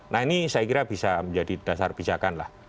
nah ini saya kira bisa menjadi dasar bijakan lah